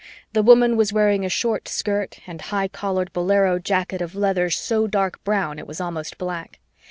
The woman was wearing a short skirt and high collared bolero jacket of leather so dark brown it was almost black.